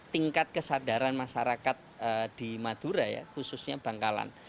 tingkat kesadaran masyarakat di madura ya khususnya bangkalan